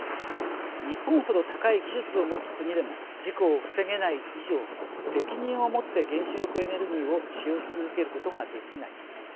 「日本ほど高い技術を持つ国でも事故を防げない以上責任を持って原子力エネルギーを使用し続けることができない」。